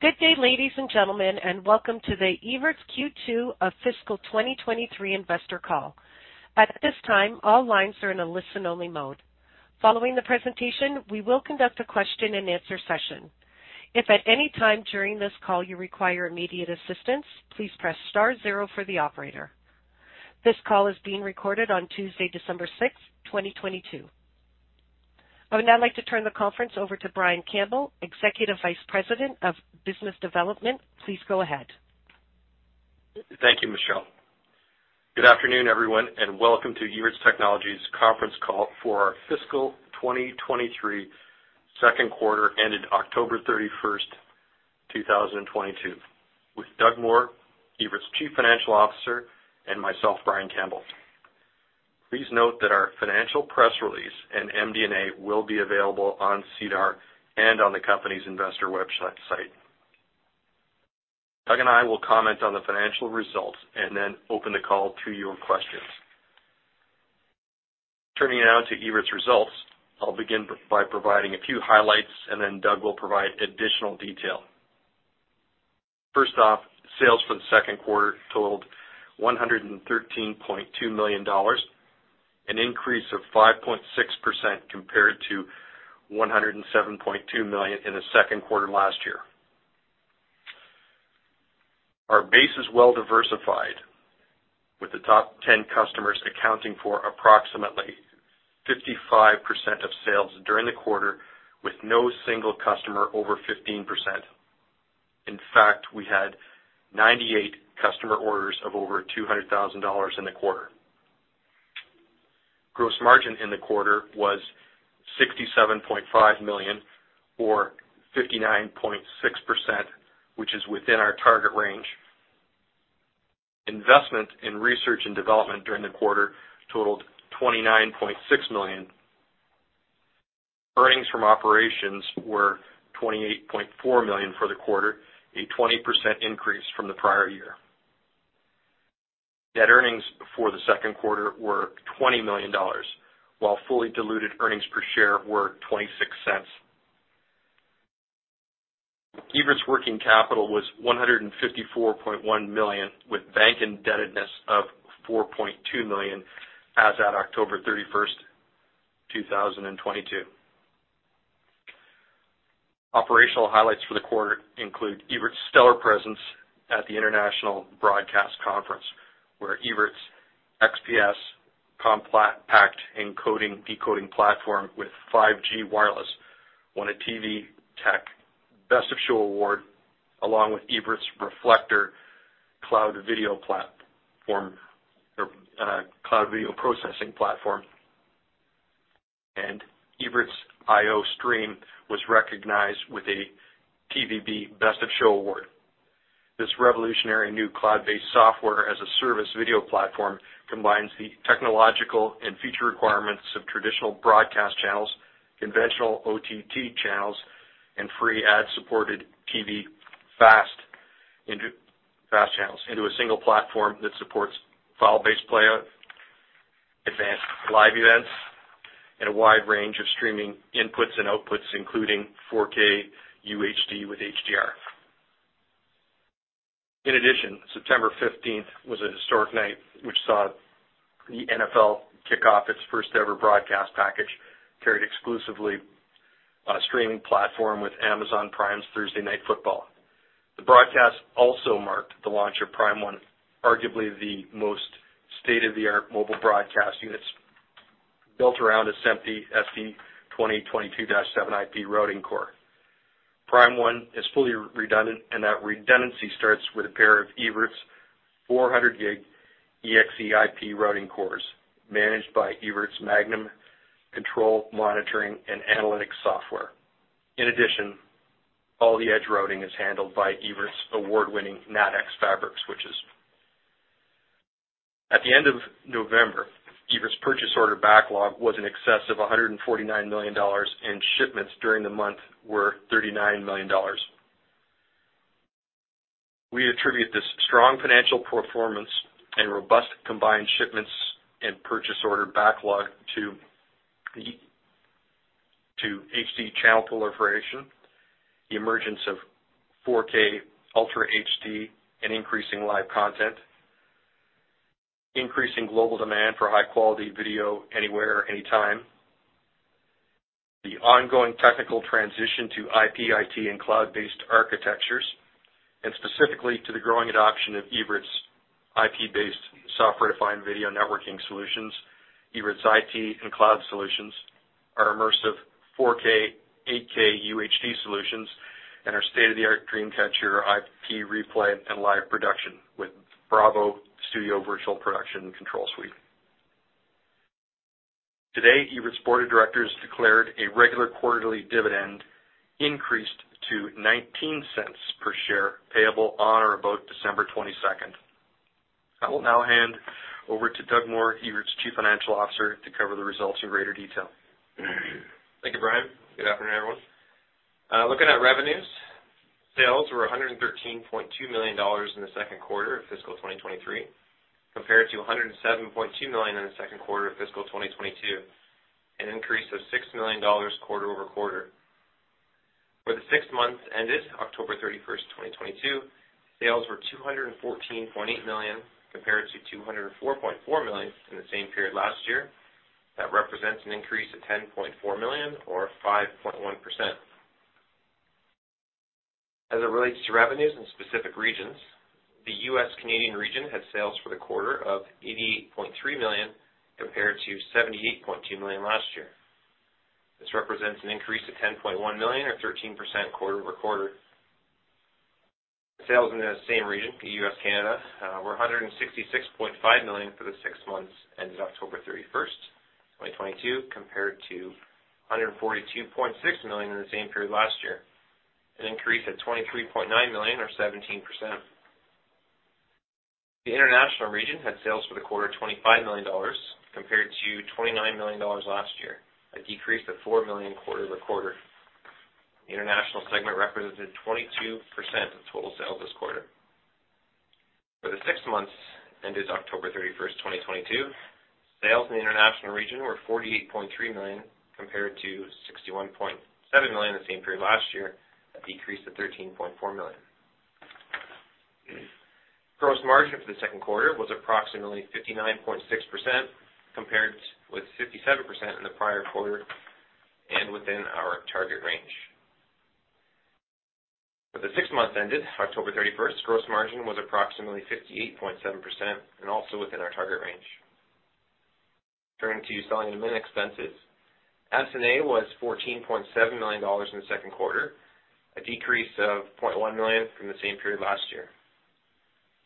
Good day, ladies and gentlemen. Welcome to the Evertz Q2 of Fiscal 2023 investor call. At this time, all lines are in a listen-only mode. Following the presentation, we will conduct a question-and-answer session. If at any time during this call you require immediate assistance, please press star zero for the operator. This call is being recorded on Tuesday, December 6th, 2022. I would now like to turn the conference over to Brian Campbell, Executive Vice President of Business Development. Please go ahead. Thank you, Michelle. Welcome to Evertz Technologies Conference Call for our Fiscal 2023 Q2 ended October 31, 2022, with Doug Moore, Evertz Chief Financial Officer, and myself, Brian Campbell. Please note that our financial press release and MD&A will be available on SEDAR and on the company's investor website. Doug and I will comment on the financial results then open the call to your questions. Turning now to Evertz results, I'll begin by providing a few highlights, then Doug will provide additional detail. First off, sales for the Q2 totaled 113.2 million dollars, an increase of 5.6% compared to 107.2 million in the Q2 last year. Our base is well diversified, with the top 10 customers accounting for approximately 55% of sales during the quarter, with no single customer over 15%. We had 98 customer orders of over 200,000 dollars in the quarter. Gross margin in the quarter was 67.5 million or 59.6%, which is within our target range. Investment in research and development during the quarter totaled 29.6 million. Earnings from operations were 28.4 million for the quarter, a 20% increase from the prior year. Net earnings for the Q2 were 20 million dollars, while fully diluted earnings per share were 0.26. Evertz working capital was 154.1 million, with bank indebtedness of 4.2 million as at October 31, 2022. Operational highlights for the quarter include Evertz stellar presence at the International Broadcast Conference, where Evertz XPS compact encoding, decoding platform with 5G wireless won a TV Tech Best of Show award, along with Evertz Reflektor cloud video processing platform. Evertz.io Stream was recognized with a TVB Best of Show award. This revolutionary new cloud-based software as a service video platform combines the technological and feature requirements of traditional broadcast channels, conventional OTT channels, and free ad-supported TV FAST channels into a single platform that supports file-based playout, advanced live events, and a wide range of streaming inputs and outputs, including 4K UHD with HDR. In addition, September 15th was a historic night which saw the NFL kick off its first-ever broadcast package, carried exclusively on a streaming platform with Amazon Prime's Thursday Night Football. The broadcast also marked the launch of Prime 1, arguably the most state-of-the-art mobile broadcast units built around a SMPTE ST 2022-7 IP routing core. Prime 1 is fully redundant. That redundancy starts with a pair of Evertz 400 gig EXE IP routing cores managed by Evertz MAGNUM control, monitoring, and analytics software. In addition, all the edge routing is handled by Evertz's award-winning NATX Fabric switches. At the end of November, Evertz purchase order backlog was in excess of 149 million dollars, and shipments during the month were 39 million dollars. We attribute this strong financial performance and robust combined shipments and purchase order backlog to HD channel proliferation, the emergence of 4K Ultra HD and increasing live content, increasing global demand for high-quality video anywhere, anytime, the ongoing technical transition to IP, IT, and cloud-based architectures, and specifically to the growing adoption of Evertz IP-based software-defined video networking solutions, Evertz IT and cloud solutions, our immersive 4K, 8K UHD solutions, and our state-of-the-art DreamCatcher IP replay and live production with BRAVO Studio virtual production control suite. Today, Evertz Board of Directors declared a regular quarterly dividend increased to 0.19 per share, payable on or about December 22nd. I will now hand over to Doug Moore, Evertz Chief Financial Officer, to cover the results in greater detail. Thank you, Brian. Good afternoon, everyone. Looking at revenues, sales were 113.2 million dollars in the Q2 of fiscal 2023, compared to 107.2 million in the Q2 of fiscal 2022. An increase of 6 million dollars quarter-over-quarter. For the six months ended October 31, 2022, sales were 214.8 million compared to 204.4 million in the same period last year. That represents an increase of 10.4 million or 5.1%. As it relates to revenues in specific regions, the U.S.-Canadian region had sales for the quarter of 88.3 million compared to 78.2 million last year. This represents an increase of 10.1 million or 13% quarter-over-quarter. Sales in the same region, the US-Canada, were 166.5 million for the six months ended October 31st, 2022, compared to 142.6 million in the same period last year, an increase of 23.9 million or 17%. The international region had sales for the quarter, CAD 25 million, compared to CAD 29 million last year, a decrease of CAD 4 million quarter-over-quarter. The international segment represented 22% of total sales this quarter. For the six months ended October 31st, 2022, sales in the international region were 48.3 million compared to 61.7 million in the same period last year. A decrease of 13.4 million. Gross margin for the Q2 was approximately 59.6%, compared with 57% in the prior quarter and within our target range. For the six months ended October 31st, gross margin was approximately 58.7% and also within our target range. Turning to selling and admin expenses. S&A was 14.7 million dollars in the Q2, a decrease of 0.1 million from the same period last year.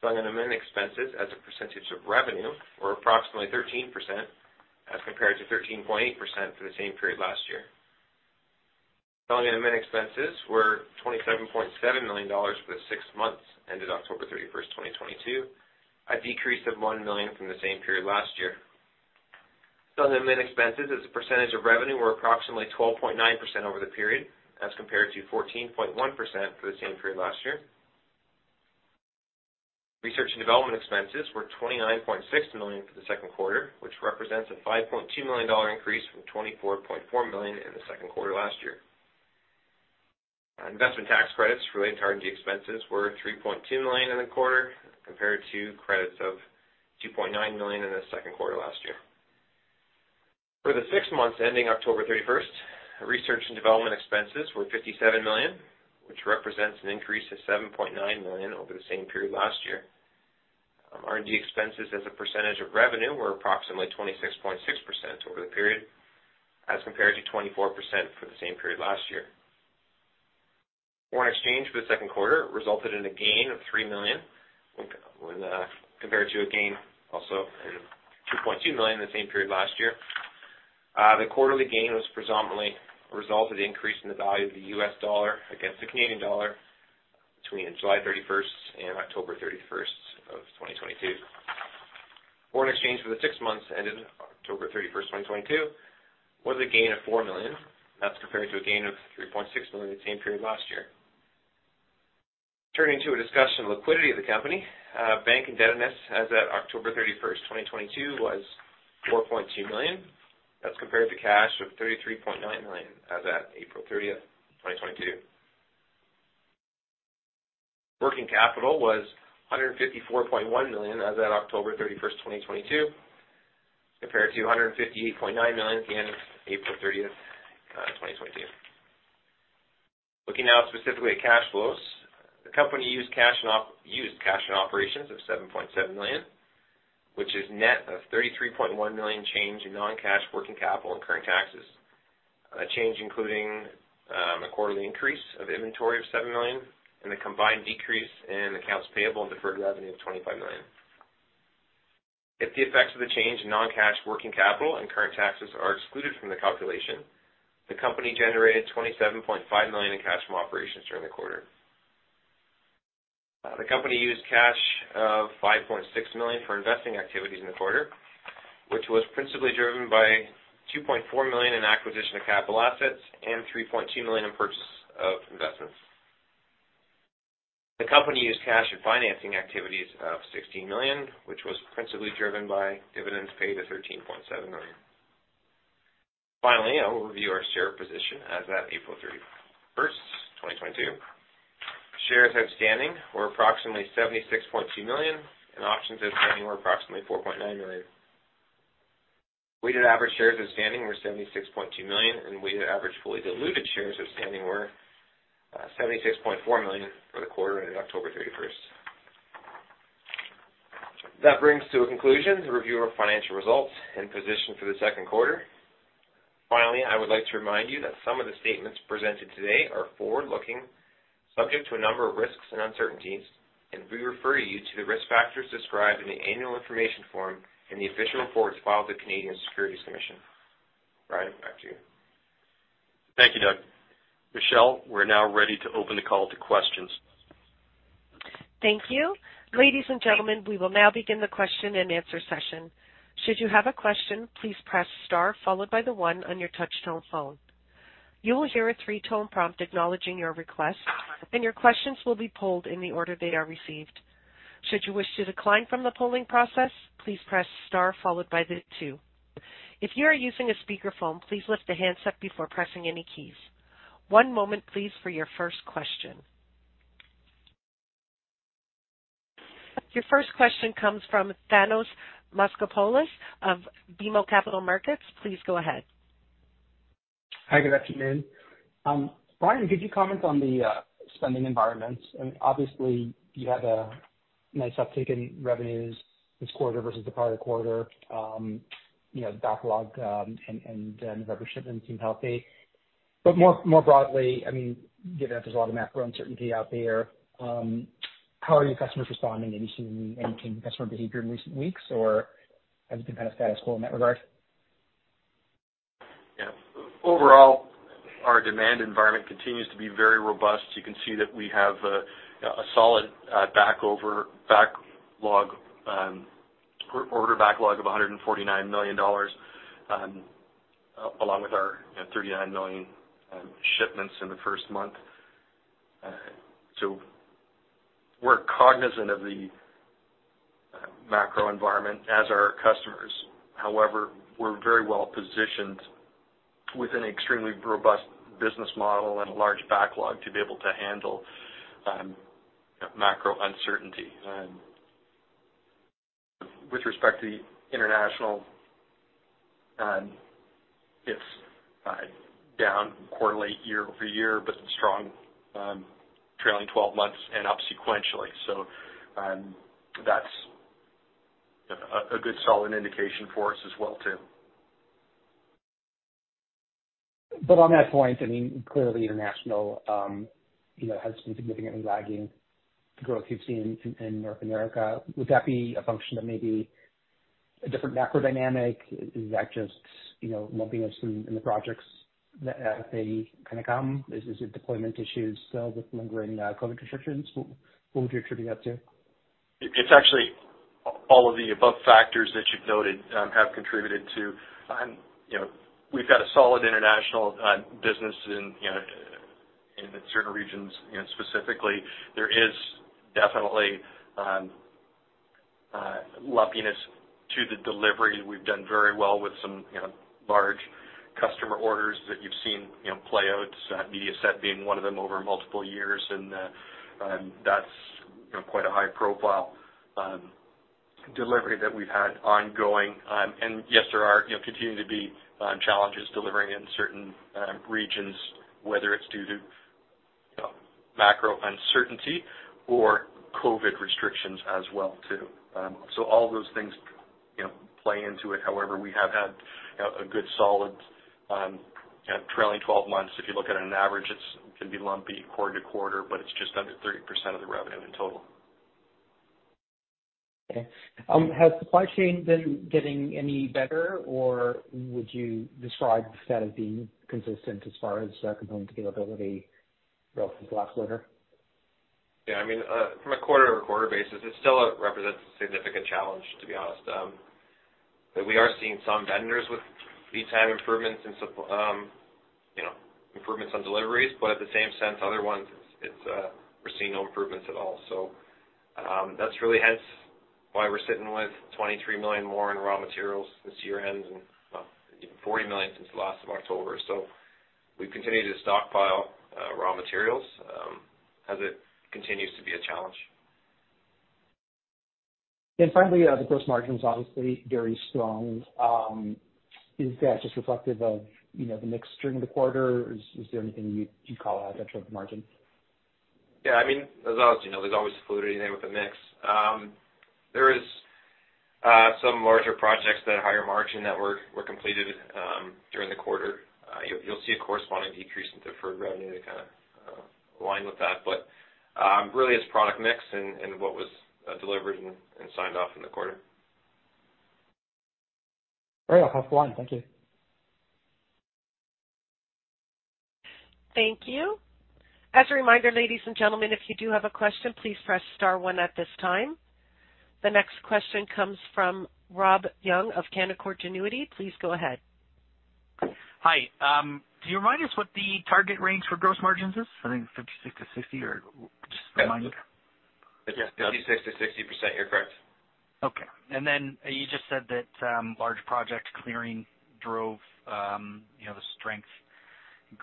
Selling and admin expenses as a percentage of revenue were approximately 13% as compared to 13.8% for the same period last year. Selling and admin expenses were 27.7 million dollars for the six months ended October 31st, 2022. A decrease of 1 million from the same period last year. Selling and admin expenses as a percentage of revenue were approximately 12.9% over the period, as compared to 14.1% for the same period last year. Research and development expenses were 29.6 million for the Q2, which represents a 5.2 million dollar increase from 24.4 million in the Q2 last year. Investment tax credits related to R&D expenses were 3.2 million in the quarter, compared to credits of 2.9 million in the Q2 last year. For the six months ending October 31st, research and development expenses were 57 million, which represents an increase of 7.9 million over the same period last year. R&D expenses as a percentage of revenue were approximately 26.6% over the period, as compared to 24% for the same period last year. Foreign exchange for the Q2 resulted in a gain of $3 million when compared to a gain also in $2.2 million in the same period last year. The quarterly gain was predominantly a result of the increase in the value of the U.S. dollar against the Canadian dollar between July 31st and October 31st of 2022. Foreign exchange for the six months ended October 31st, 2022, was a gain of $4 million. That's compared to a gain of $3.6 million in the same period last year. Turning to a discussion of liquidity of the company. Bank indebtedness as of October 31st, 2022, was $4.2 million. That's compared to cash of $33.9 million as of April 30th, 2022. Working capital was 154.1 million as of October 31, 2022, compared to CAD 158.9 million at the end of April 30, 2022. Looking now specifically at cash flows. The company used cash in operations of 7.7 million, which is net of 33.1 million change in non-cash working capital and current taxes. A change including a quarterly increase of inventory of 7 million and a combined decrease in accounts payable and deferred revenue of 25 million. If the effects of the change in non-cash working capital and current taxes are excluded from the calculation, the company generated 27.5 million in cash from operations during the quarter. The company used cash of 5.6 million for investing activities in the quarter, which was principally driven by 2.4 million in acquisition of capital assets and 3.2 million in purchase of investments. The company used cash in financing activities of 16 million, which was principally driven by dividends paid of 13.7 million. Finally, I will review our share position as of April 31st, 2022. Shares outstanding were approximately 76.2 million, and options outstanding were approximately 4.9 million. Weighted average shares outstanding were 76.2 million, and weighted average fully diluted shares outstanding were 76.4 million for the quarter ended October 31st. That brings to a conclusion the review of financial results and position for the Q2. Finally, I would like to remind you that some of the statements presented today are forward-looking, subject to a number of risks and uncertainties, and we refer you to the risk factors described in the annual information form and the official reports filed with the Canadian Securities Administrators. Brian, back to you. Thank you, Doug. Michelle, we're now ready to open the call to questions. Thank you. Ladies and gentlemen, we will now begin the question and answer session. Should you have a question, please press star followed by the one on your touch-tone phone. You will hear a three-tone prompt acknowledging your request, and your questions will be polled in the order they are received. Should you wish to decline from the polling process, please press star followed by the two. If you are using a speakerphone, please lift the handset before pressing any keys. One moment please for your first question. Your first question comes from Thanos Moschopoulos of BMO Capital Markets. Please go ahead. Hi, good afternoon. Brian, could you comment on the spending environments? Obviously you had a nice uptick in revenues this quarter versus the prior quarter. You know, backlog, and the revenue shipments seem healthy. More broadly, I mean, given that there's a lot of macro uncertainty out there, how are your customers responding? Are you seeing any change in customer behavior in recent weeks, or has it been kind of status quo in that regard? Overall, our demand environment continues to be very robust. You can see that we have a solid backlog or order backlog of 149 million dollars along with our 39 million shipments in the first month. We're cognizant of the macro environment as are our customers. However, we're very well positioned with an extremely robust business model and a large backlog to be able to handle macro uncertainty. With respect to the international, it's down quarterly year-over-year, but strong trailing 12 months and up sequentially. That's a good solid indication for us as well too. On that point, I mean, clearly international, you know, has been significantly lagging the growth you've seen in North America. Would that be a function of maybe a different macro dynamic? Is that just, you know, lumpiness in the projects as they kind of come? Is it deployment issues still with lingering COVID restrictions? What would you attribute that to? It's actually all of the above factors that you've noted, have contributed to, you know, we've got a solid international business in, you know, in certain regions, you know, specifically. There is definitely lumpiness to the delivery. We've done very well with some, you know, large customer orders that you've seen, you know, play out, Mediaset being one of them over multiple years. That's, you know, quite a high profile delivery that we've had ongoing. Yes, there are, you know, continue to be challenges delivering in certain regions, whether it's due to, you know, macro uncertainty or COVID restrictions as well too. All those things, you know, play into it. However, we have had a good solid, you know, trailing 12 months. If you look at it on average, it's can be lumpy quarter-to-quarter, but it's just under 30% of the revenue in total. Okay. Has supply chain been getting any better, or would you describe that as being consistent as far as, component availability relative to last quarter? Yeah. I mean, from a quarter-over-quarter basis, it still represents a significant challenge, to be honest. We are seeing some vendors with lead time improvements and, you know, improvements on deliveries, but at the same sense, other ones it's we're seeing no improvements at all. That's really, hence why we're sitting with 23 million more in raw materials this year-end and, well, even 40 million since the last of October. We've continued to stockpile raw materials as it continues to be a challenge. Finally, the gross margin is obviously very strong. Is that just reflective of, you know, the mix during the quarter, or is there anything you'd call out that drove the margin? I mean, as always, you know, there's always fluidity in there with the mix. There is some larger projects that are higher margin that were completed during the quarter. You'll see a corresponding decrease in deferred revenue to kind of align with that. Really it's product mix and what was delivered and signed off in the quarter. Great. I'll pass the line. Thank you. Thank you. As a reminder, ladies and gentlemen, if you do have a question, please press star one at this time. The next question comes from Rob Young of Canaccord Genuity. Please go ahead. Hi. Can you remind us what the target range for gross margins is? I think 56%-60% or just remind us. Yeah. 56%-60%. You're correct. Okay. You just said that, large project clearing drove, you know, the strength.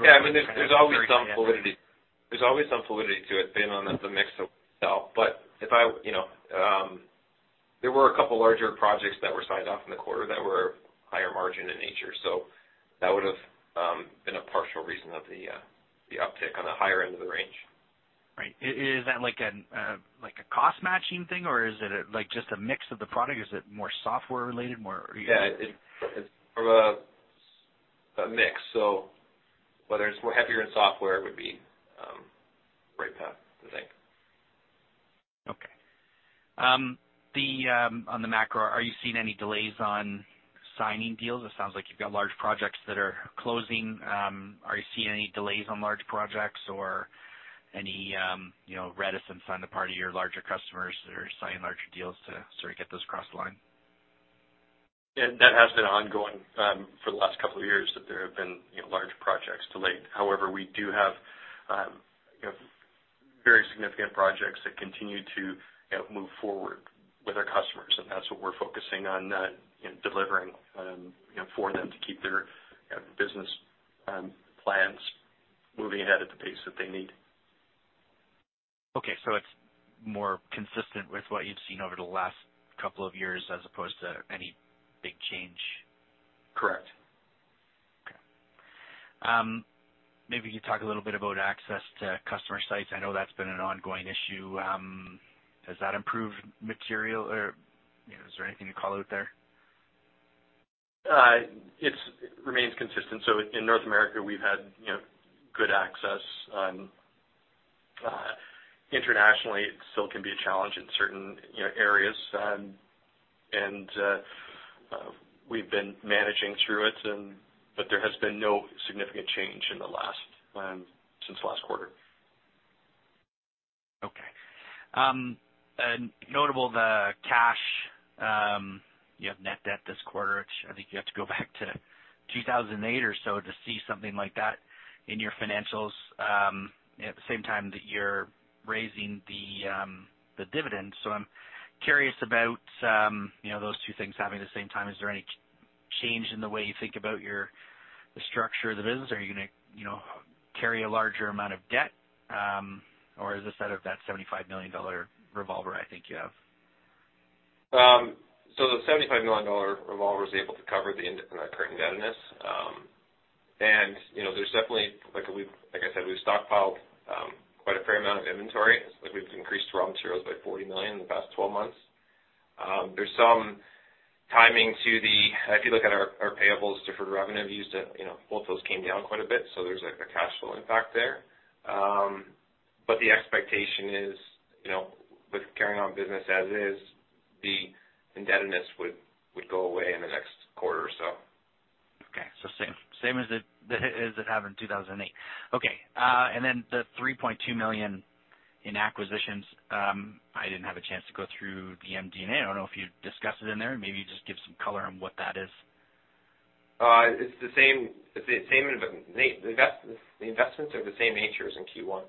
Yeah. I mean, there's always some fluidity. There's always some fluidity to it depending on the mix of itself. You know, there were couple larger projects that were signed off in the quarter that were higher margin in nature. That would've been a partial reason of the uptick on the higher end of the range. Right. Is that like an, like a cost-matching thing, or is it like just a mix of the product? Is it more software related? Yeah. It's from a mix. Whether it's heavier in software would be right, I think. Okay. The on the macro, are you seeing any delays on signing deals? It sounds like you've got large projects that are closing. Are you seeing any delays on large projects or any, you know, reticence on the part of your larger customers that are signing larger deals to sort of get those cross the line? That has been ongoing, for the last couple of years, that there have been, you know, large projects delayed. However, we do have, you know, very significant projects that continue to, you know, move forward with our customers, and that's what we're focusing on, you know, delivering, you know, for them to keep their business, plans moving ahead at the pace that they need. Okay. It's more consistent with what you've seen over the last couple of years as opposed to any big change? Correct. Okay. Maybe you could talk a little bit about access to customer sites. I know that's been an ongoing issue. Has that improved material or, you know, is there anything you call out there? It remains consistent. In North America, we've had, you know, good access. Internationally, it still can be a challenge in certain, you know, areas. We've been managing through it but there has been no significant change in the last, since last quarter. Notable the cash, you have net debt this quarter, which I think you have to go back to 2008 or so to see something like that in your financials, at the same time that you're raising the dividend. I'm curious about, you know, those two things happening the same time. Is there any change in the way you think about your, the structure of the business? Are you gonna, you know, carry a larger amount of debt, or is this out of that 75 million dollar revolver I think you have? The 75 million dollar revolver is able to cover the current indebtedness. You know, there's definitely like I said, we've stockpiled quite a fair amount of inventory. We've increased raw materials by 40 million in the past 12 months. There's some timing to the... If you look at our payables, deferred revenue, if you use the, you know, both those came down quite a bit, so there's like a cash flow impact there. The expectation is, you know, with carrying on business as is, the indebtedness would go away in the next quarter or so. Same as it have in 2008. Okay. The 3.2 million in acquisitions, I didn't have a chance to go through the MD&A. I don't know if you discussed it in there. Maybe you just give some color on what that is. it's the same the investments are the same nature as in Q1.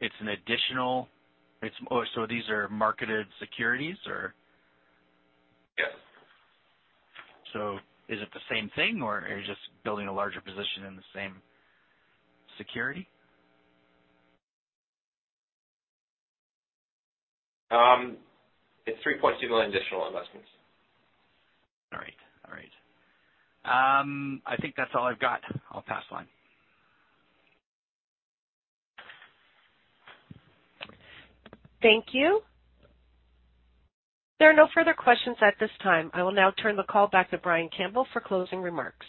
It's an additional... So these are marketed securities or? Yes. Is it the same thing or are you just building a larger position in the same security? It's 3.2 million additional investments. All right. All right. I think that's all I've got. I'll pass the line. Thank you. There are no further questions at this time. I will now turn the call back to Brian Campbell for closing remarks.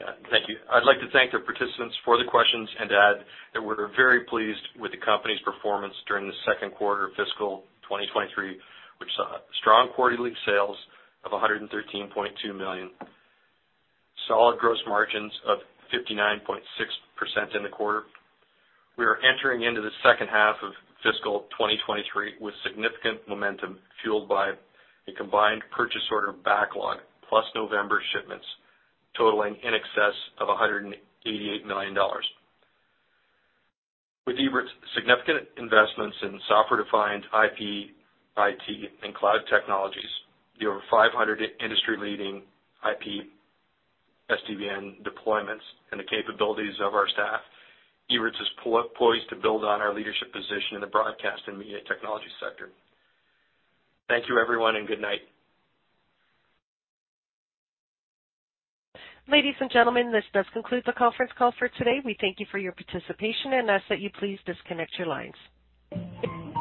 Yeah. Thank you. I'd like to thank the participants for the questions and add that we're very pleased with the company's performance during the Q2 of fiscal 2023, which saw strong quarterly sales of 113.2 million, solid gross margins of 59.6% in the quarter. We are entering into the second half of fiscal 2023 with significant momentum fueled by a combined purchase order backlog plus November shipments totaling in excess of 188 million dollars. With Evertz' significant investments in software-defined IP, IT, and cloud technologies, the over 500 industry-leading IP SDVN deployments and the capabilities of our staff, Evertz is poised to build on our leadership position in the broadcast and media technology sector. Thank you everyone, and good night. Ladies and gentlemen, this does conclude the conference call for today. We thank you for your participation and ask that you please disconnect your lines.